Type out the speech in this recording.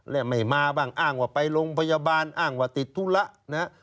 และไม่มาบ้างอ้างว่าไปโรงพยาบาลอ้างว่าติดธุระนะฮะ